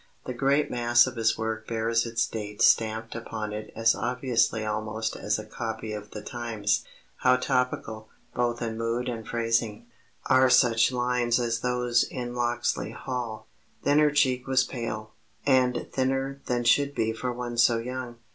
The great mass of his work bears its date stamped upon it as obviously almost as a copy of The Times. How topical, both in mood and phrasing, are such lines as those in Locksley Hall: Then her cheek was pale, and thinner than should be for one so young.